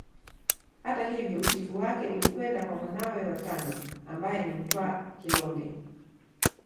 Hata hivyo uchifu wake ulikwenda kwa mwanawe wa tano ambaye ni Mtwa Kilonge